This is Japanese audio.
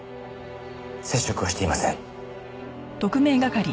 接触はしていません。